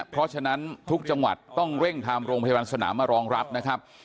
เพราะฉะนั้นทุกจังหวัดต้องเร่งทางโรงพยาบาลสนามมารองรับนะครับ